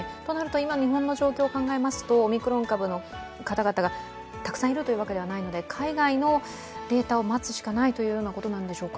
今、日本の状況を考えますと、オミクロン株の方々がたくさんいるというわけではないので、海外のデータを待つしかないということなんでしょうか。